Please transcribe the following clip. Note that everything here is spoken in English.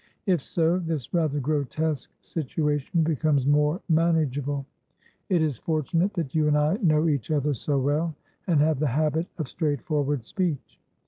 "If so, this rather grotesque situation becomes more manageable. It is fortunate that you and I know each other so well, and have the habit of straightforward speech.